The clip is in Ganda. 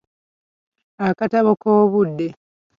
Akatabo k'obudde.